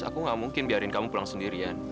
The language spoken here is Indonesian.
aku gak mungkin biarin kamu pulang sendirian